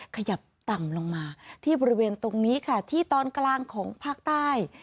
ขยับต่ำลงมาที่บริเวณตรงนี้ค่ะที่ตอนกลางของภาคใต้